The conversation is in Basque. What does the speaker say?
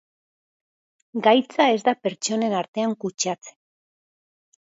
Gaitza ez da pertsonen artean kutsatzen.